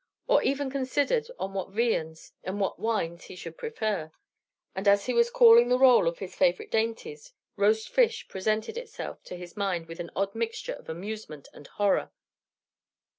He even considered on what viands and what wines he should prefer; and as he was calling the roll of his favorite dainties, roast fish presented itself to his mind with an odd mixture of amusement and horror.